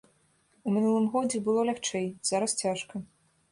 У мінулым годзе было лягчэй, зараз цяжка.